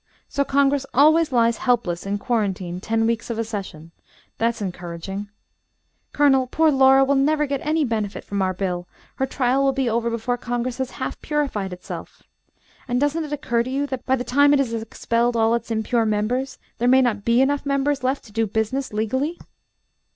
"So Congress always lies helpless in quarantine ten weeks of a session. That's encouraging. Colonel, poor Laura will never get any benefit from our bill. Her trial will be over before Congress has half purified itself. And doesn't it occur to you that by the time it has expelled all its impure members there may not be enough members left to do business legally?"